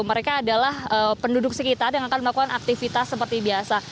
mereka adalah penduduk sekitar yang akan melakukan aktivitas seperti biasa